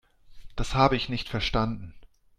Das habe ich nicht verstanden.